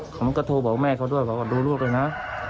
ผมก็โทรบอกแม่เขาด้วยบอกว่าดูลูกด้วยนะ